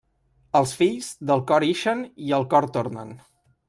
Els fills, del cor ixen i al cor tornen.